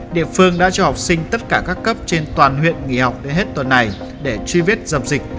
địa phương đã cho học sinh tất cả các cấp trên toàn huyện nghỉ học đến hết tuần này để truy vết dập dịch